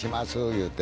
言うて。